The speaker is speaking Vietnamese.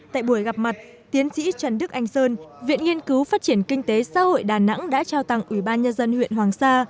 tại buổi gặp mặt tiến sĩ trần đức anh sơn viện nghiên cứu phát triển kinh tế xã hội đà nẵng đã trao tặng ủy ban nhân dân huyện hoàng sa